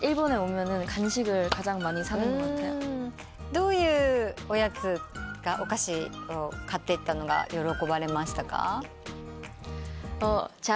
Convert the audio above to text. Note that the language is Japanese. どういうおやつお菓子を買っていったのが喜ばれましたか？